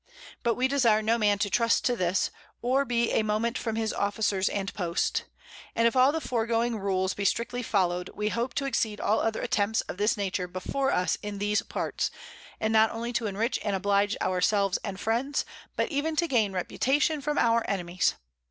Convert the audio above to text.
But we desire no Man to trust to this, or be a moment from his Officers and Post. And if all the foregoing Rules be strictly follow'd, we hope to exceed all other Attempts of this nature before us in these Parts; and not only to enrich and oblige our selves and Friends, but even to gain Reputation from our Enemies.